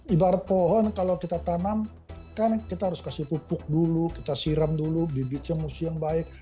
ibarat pohon kalau kita tanam kan kita harus kasih pupuk dulu kita siram dulu bibitnya musuh yang baik